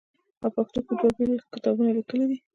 او پښتو کښې دوه بيل کتابونه ليکلي دي